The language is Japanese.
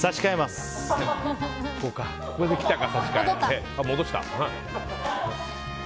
ここで来たか。